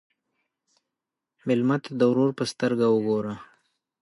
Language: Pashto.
مېلمه ته د ورور په سترګه وګوره.